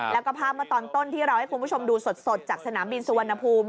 แล้วก็ภาพเมื่อตอนต้นที่เราให้คุณผู้ชมดูสดจากสนามบินสุวรรณภูมิ